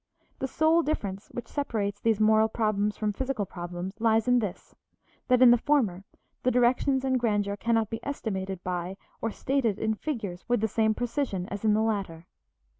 The sole difference which separates these moral problems from physical problems lies in this, that in the former the directions and grandeur cannot be estimated by or stated in figures with the same precision as in the latter.